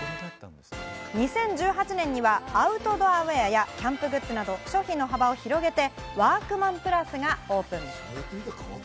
２０１８年にはアウトドアウエアやキャンプグッズなど、商品の幅を広げて、ワークマンプラスがオープン。